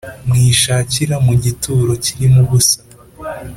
mwishakira mu gituro kirimo ubusa